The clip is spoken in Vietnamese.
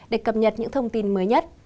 để cập nhật những thông tin mới nhất